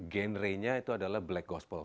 genrenya itu adalah black gospel